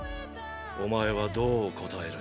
お前はどう応える？